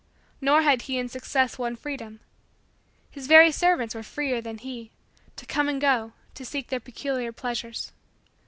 Nor had he in Success won freedom. His very servants were freer than he, to come and go, to seek their peculiar pleasures.